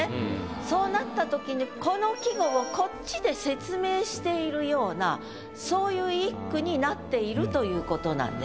そうなった時にこの季語をこっちで説明しているようなそういう一句になっているということなんです。